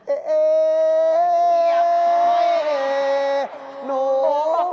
เอ๊เอ๊หนู